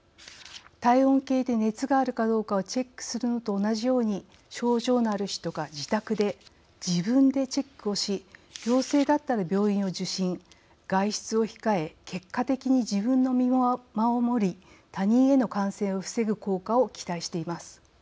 体温計で熱があるかどうかをチェックするのと同じように症状のある人が自宅で自分でチェックをし陽性だったら、病院を受診外出を控え結果的に、自分の身を守り他人への感染を防ぐ効果を期待しています。